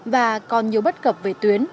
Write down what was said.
và còn nhiều bất cập về tuyến